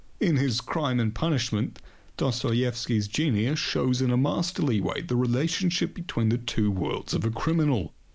In his "Crime and Punishment" Dostoyevsky's genius shows in a masterly way the relationship between the two worlds of a criminal.